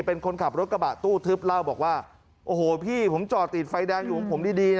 เป็นคนขับรถกระบะตู้ทึบเล่าบอกว่าโอ้โหพี่ผมจอดติดไฟแดงอยู่ของผมดีดีนะ